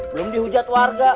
belum dihujat warga